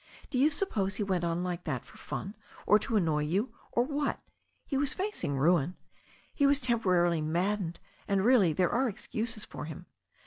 "Do you suppose he went on like that for fun, or to annoy you, or what ? He was facing ruin. He was temporarily maddened, and really there are excuses for him.